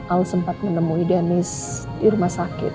al sempat menemui denis di rumah sakit